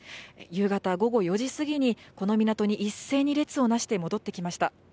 夕方午後４時過ぎに、この港に一斉に列をなして戻ってきました。